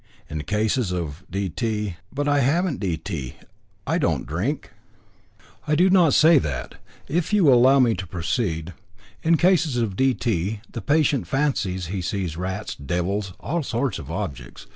In cases of D. T. " "But I haven't D. T. I don't drink." "I do not say that. If you will allow me to proceed. In cases of D. T. the patient fancies he sees rats, devils, all sorts of objects.